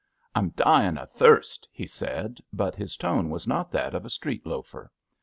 "I'm dying of thirst, *' he said, but his tone was not that of a street loafer.